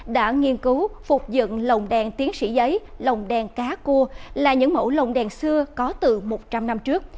đã nghiên cứu phục dựng lồng đèn tiến sĩ giấy lồng đèn cá cua là những mẫu lồng đèn xưa có từ một trăm linh năm trước